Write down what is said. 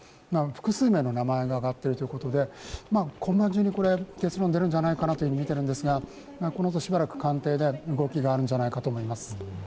複数名の名前が挙がっているということで今晩中に結論が出るんじゃないかなと思いますがこのあとしばらく官邸で動きがあるんじゃないかなと思います。